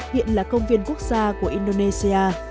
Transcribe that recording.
hiện là công viên quốc gia của indonesia